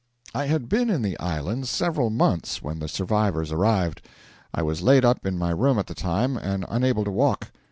I had been in the islands several months when the survivors arrived. I was laid up in my room at the time, and unable to walk.